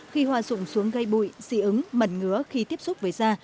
khi hoa rụng xuống gây bụi dị ứng mẩn ngứa khi tiếp xúc với da